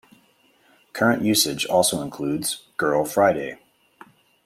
Current usage also includes "Girl Friday".